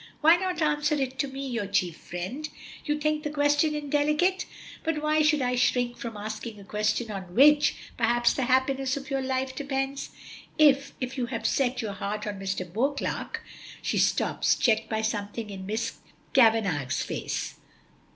Why not answer it to me, your chief friend? You think the question indelicate, but why should I shrink from asking a question on which, perhaps, the happiness of your life depends? If if you have set your heart on Mr. Beauclerk " She stops, checked by something in Miss Kavanagh's face.